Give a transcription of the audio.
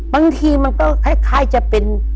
บางทีมันก็คล้ายจะเป็น